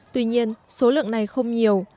tuy nhiên số lượng này không nhiều